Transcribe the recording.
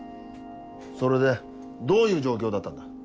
それでどういう状況だったんだ。